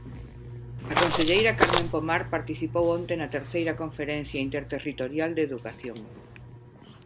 A conselleira Carmen Pomar participou onte na terceira conferencia interterritorial de Educación.